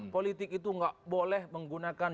politik itu nggak boleh menggunakan